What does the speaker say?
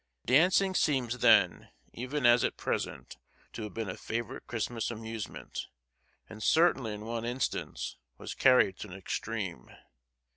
Dancing seems then, even as at present, to have been a favourite Christmas amusement, and certainly in one instance was carried to an extreme.